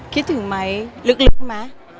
คิดถึงไหมลึกไหม